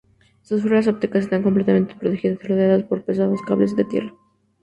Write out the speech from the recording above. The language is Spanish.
Sus fibras ópticas están completamente protegidas y rodeadas por pesados cables a tierra.